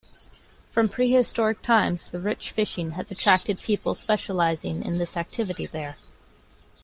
From prehistoric times the rich fishing has attracted people specializing in this activity there.